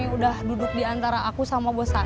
seordah ke presiden lumih enggak terd mainta coses